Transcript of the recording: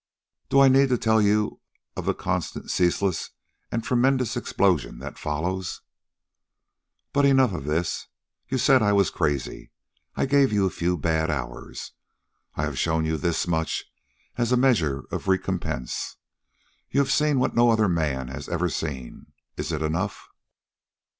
"Do I need to tell you of the constant, ceaseless and tremendous explosion that follows? "But enough of this! You said I was crazy. I gave you a few bad hours. I have shown you this much as a measure of recompense. You have seen what no other man has ever seen. It is enough."